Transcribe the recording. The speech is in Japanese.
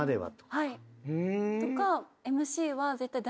はい。